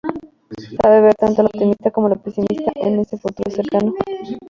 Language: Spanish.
Sabe ver tanto lo optimista como lo pesimista en este futuro cercano.